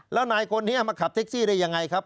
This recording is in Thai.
แล้วนายคนนี้มาขับแท็กซี่ได้ยังไงครับ